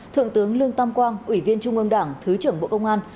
thượng tướng lương tam quang ủy viên trung ương đảng thứ trưởng bộ công an